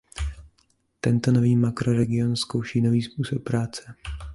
Tento nový makroregion zkouší nový způsob práce.